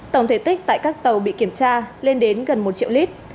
tổng thể tích tại các tàu bị kiểm tra lên đến gần một triệu lít